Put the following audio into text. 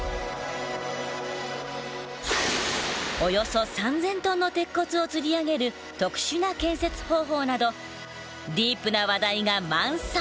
およそ３，０００トンの鉄骨を吊り上げる特殊な建設方法などディープな話題が満載。